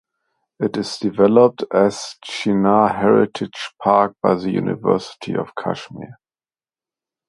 It is developed as Chinar Heritage Park by the University of Kashmir.